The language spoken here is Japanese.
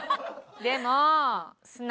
でも。